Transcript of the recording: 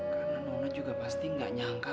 karena nona juga pasti gak nyangka